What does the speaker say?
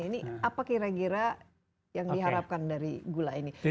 ini apa kira kira yang diharapkan dari gula ini